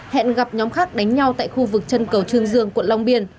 hẹn gặp nhóm khác đánh nhau tại khu vực chân cầu trương dương quận long biên